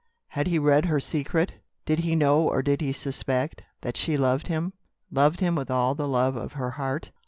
Had he read her secret? Did he know or did he suspect, that she loved him, loved him with all the love of her heart?